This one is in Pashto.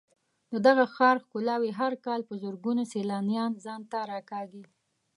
د دغه ښار ښکلاوې هر کال په زرګونو سېلانیان ځان ته راکاږي.